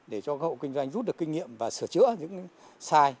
để cho các hộ kinh doanh rút được kinh nghiệm và sửa chữa những sai